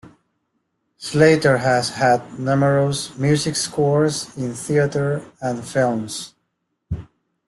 Slater has had numerous music scores in theatre and films.